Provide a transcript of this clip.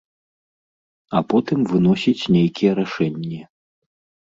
А потым выносіць нейкія рашэнні.